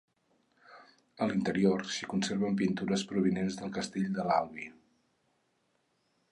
A l'interior s'hi conserven pintures provinents del castell de l'Albi.